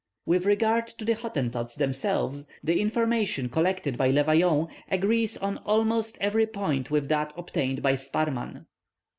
With regard to the Hottentots themselves, the information collected by Le Vaillant agrees on almost every point with that obtained by Sparrman.